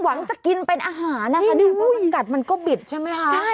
หวังจะกินเป็นอาหารนะคะนี่มันกัดมันก็บิดใช่ไหมคะ